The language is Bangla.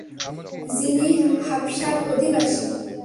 যিনি হাবশার অধিবাসী।